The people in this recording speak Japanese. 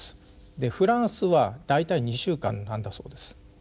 でフランスは大体２週間なんだそうです。